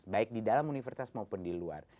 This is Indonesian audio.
baik di dalam universitas maupun di luar